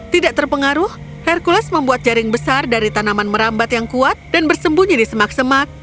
tidak terpengaruh hercules membuat jaring besar dari tanaman merambat yang kuat dan bersembunyi di semak semak